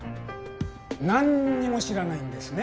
なんにも知らないんですね